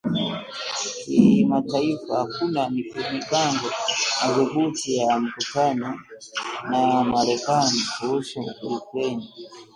Kimataifa Hakuna mipango madhubuti ya mkutano na Marekani kuhusu Ukraine